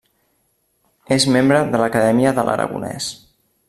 És membre de l'Acadèmia de l'Aragonès.